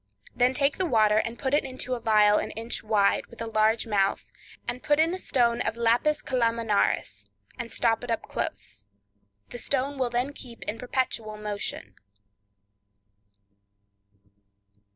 Then take the water and put it into a phial an inch wide, with a large mouth, and put in a stone of lapis calaminaris, and stop it up close; the stone will then keep in perpetual motion.